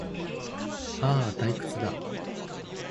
ああ、退屈だ